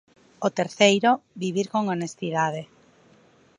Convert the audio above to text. O terceiro, vivir con Honestidade.